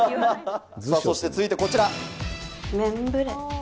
そして続いてこちら。